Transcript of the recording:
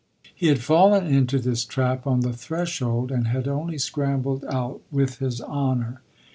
He had fallen into this trap on the threshold and had only scrambled out with his honour.